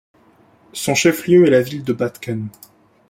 Son chef-lieu est la ville de Batken.